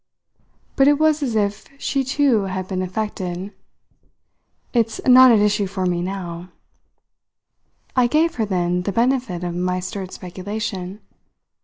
But it was as if she too had been affected. "It's not at issue for me now." I gave her then the benefit of my stirred speculation.